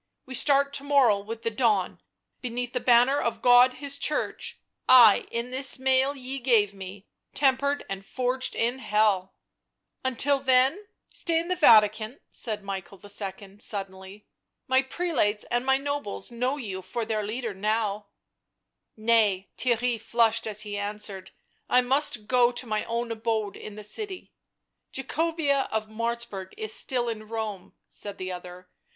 "We start to morrow with the dawn — beneath the banner of God His Church; I, in this mail ye gave me, tem pered and forged in Hell !"" Until then, stay in the Vatican, " said Michael II. suddenly. " My prelates and my nobles know you for their leader now." " Nay," — Theirry flushed as he answered —" I must go to my own abode in the city." " Jacobea of Martzburg is still in Rome," said the other.